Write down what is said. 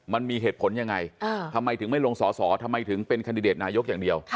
มันมีเหตุผลยังไงทำไมถึงไม่ลงสอสอทำไมถึงเป็นคันดิเดตนายกอย่างเดียว